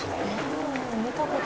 うん。